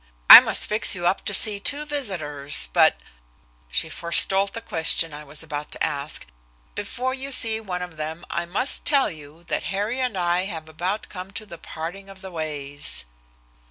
I must fix you up to see two visitors. But" she forestalled the question I was about to ask "before you see one of them I must tell you that Harry and I have about come to the parting of the ways."